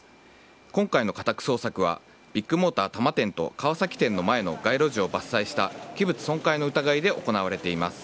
今回の家宅捜索はビッグモーター多摩店と川崎店の前の街路樹を伐採した器物損壊の疑いで行われています。